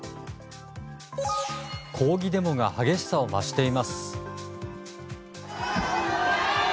抗議デモが激しさを増しています。